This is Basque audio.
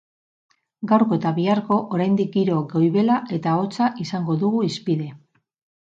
Gaurko eta biharko oraindik giro goibela eta hotza izango dugu hizpide.